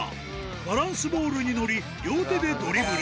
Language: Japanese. バランスボールに乗り、両手でドリブル。